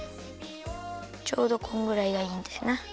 ちょうどこんぐらいがいいんだよな。